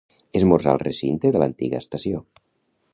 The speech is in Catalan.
Esmorzar al recinte de l'antiga estació.